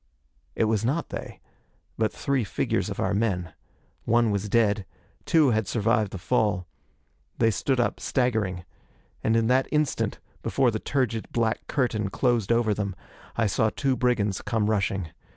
It was not they, but three figures of our men. One was dead. Two had survived the fall. They stood up, staggering. And in that instant, before the turgid black curtain closed over them, I saw two brigands come rushing.